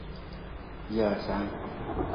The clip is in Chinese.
前母郑氏。